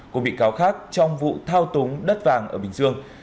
của bị cáo khác trong vụ thao túng đất vàng ở bình dương